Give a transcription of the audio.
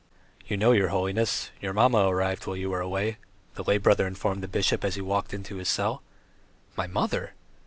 ... "You know, your holiness, your mamma arrived while you were away," the lay brother informed the bishop as he went into his cell. "My mother?